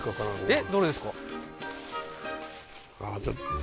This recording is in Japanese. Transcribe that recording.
えっどれですか？